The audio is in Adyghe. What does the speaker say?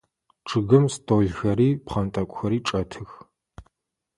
Чъыгым столхэри пхъэнтӏэкӏухэри чӏэтых.